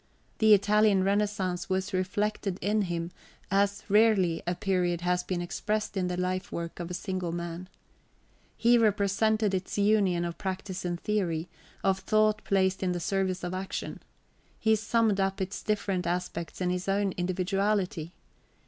The Italian Renaissance was reflected in him as rarely a period has been expressed in the life work of a single man. He represented its union of practice and theory, of thought placed in the {xxv} service of action. He summed up its different aspects in his own individuality.